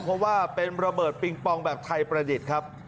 เพราะว่าเป็นระเบิดปิงปองแบบไทยประดิษฐ์ครับ